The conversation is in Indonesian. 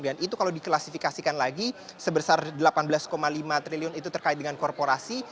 dan itu kalau diklasifikasikan lagi sebesar rp delapan belas lima triliun itu terkait dengan korporasi